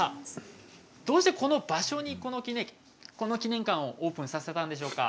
どうして、この場所にこの記念館をオープンさせたんですか。